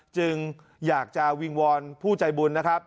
จึงอยากจะวิงวอนผู้ใจบุญนะครับ